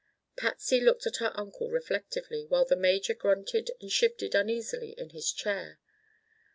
Patsy looked at her uncle reflectively, while the major grunted and shifted uneasily in his chair.